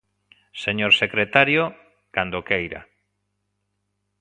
Señor secretario, cando queira.